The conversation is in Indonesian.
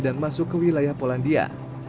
dan masuk ke wilayah polandia